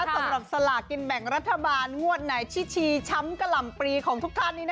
สำหรับสลากกินแบ่งรัฐบาลงวดไหนที่ชีช้ำกะหล่ำปรีของทุกท่าน